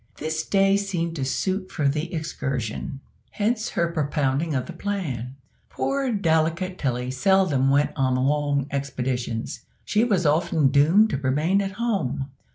This day seemed to suit for the excursion hence her propounding of the plan. Poor delicate Tilly seldom went on long expeditions, she was often doomed to remain at home.